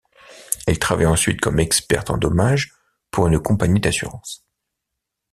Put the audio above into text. Elle travaille ensuite comme experte en dommage pour une compagnie d’assurances.